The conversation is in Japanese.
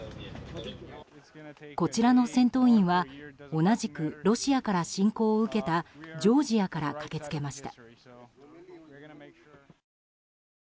こちらの戦闘員は同じくロシアから侵攻を受けたジョージアから駆け付けました。